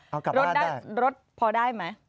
เอากลับบ้านได้รถพอได้ไหม